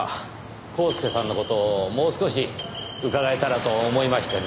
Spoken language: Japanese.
コースケさんの事をもう少し伺えたらと思いましてね。